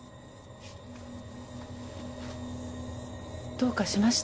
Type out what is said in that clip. どうかしました？